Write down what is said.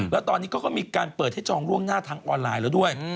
แล้วตอนนี้เขาก็มีการเปิดให้จองล่วงหน้าทางออนไลน์แล้วด้วย